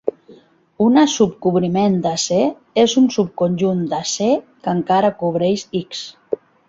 Una subcobriment de C és un subconjunt de C que encara cobreix X.